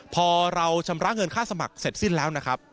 พอเราชำระเงินค่าสมัครเสร็จสิ้นแล้วนะครับ